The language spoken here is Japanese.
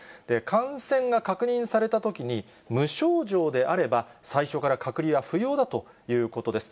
感染が確認されたときに、無症状であれば、最初から隔離は不要だということです。